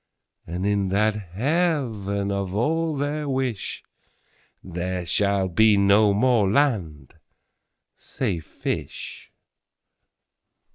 33And in that Heaven of all their wish,34There shall be no more land, say fish.